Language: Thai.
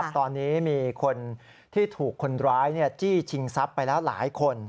ตอนนี้มีคนที่ถูกคนร้ายจี้ชิงทรัพย์ไปแล้วหลายคน